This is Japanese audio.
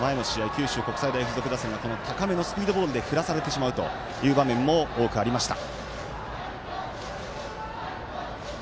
九州国際大付属打線は高めのスピードボールで振らされてしまうという場面も多くありました。